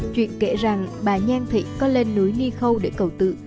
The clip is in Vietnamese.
chuyện kể rằng bà nhan thị có lên núi ni khâu để cầu tự